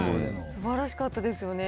すばらしかったですよね。